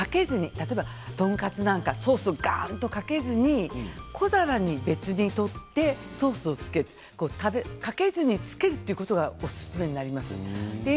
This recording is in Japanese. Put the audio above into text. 例えばトンカツなんかソースをがーっとかけずに小皿に別に取ってソースをつけるかけずにつけるということがおすすめになります。